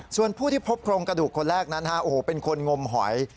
ส่วนผู้ที่พบโครงกระดูกคนแรกนั้นเป็นคนงมหอย